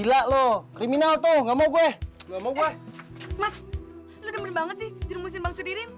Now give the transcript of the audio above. mat lo demen banget sih jerumusin bang sudirin